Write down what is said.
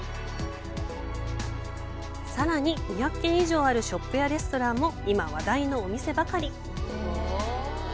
さらに、２００軒以上あるショップやレストランも、今話題のお店ばかり。